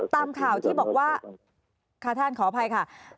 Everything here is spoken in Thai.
ตามข่าวที่บอกว่าค่ะท่านขออภัยค่ะ